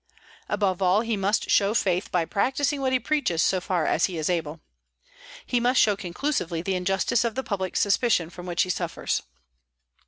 Above all, he must show faith by practicing what he preaches so far as he is able. He must show conclusively the injustice of the public suspicion from which he suffers.